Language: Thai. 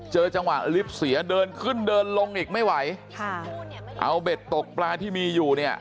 จังหวะลิฟต์เสียเดินขึ้นเดินลงอีกไม่ไหวค่ะเอาเบ็ดตกปลาที่มีอยู่เนี่ย